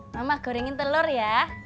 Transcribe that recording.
mama gorengin telur ya